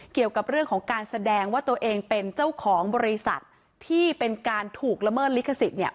เกี่ยวกับเรื่องของการแสดงว่าตัวเองเป็นเจ้าของบริษัทที่เป็นการถูกละเมิดลิขสิทธิ์เนี่ย